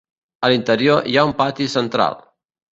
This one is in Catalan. A l'interior hi ha un pati central.